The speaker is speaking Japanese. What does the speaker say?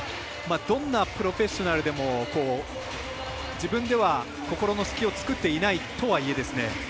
どんなプロフェッショナルでも自分では心の隙を作っていないとはいえですね